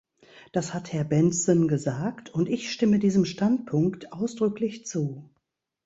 Das hat Herr Bendtsen gesagt und ich stimme diesem Standpunkt ausdrücklich zu.